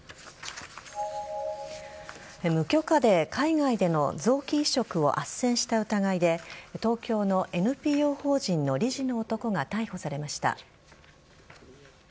無許可で海外での臓器移植をあっせんした疑いで東京のＮＰＯ法人の理事の男が逮捕されました。